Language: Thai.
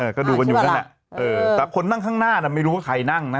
ก็ดูกันอยู่นั่นแหละแต่คนนั่งข้างหน้าน่ะไม่รู้ว่าใครนั่งนะ